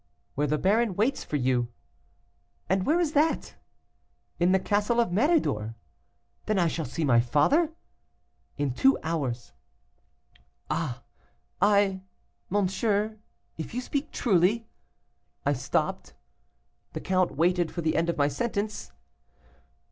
'Where the baron waits for you.' 'And where is that?' 'In the castle of Méridor.' 'Then I shall see my father?' 'In two hours.' "'Ah I monsieur, if you speak truly ' I stopped. The count waited for the end of my sentence.